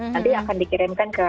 nanti akan dikirimkan ke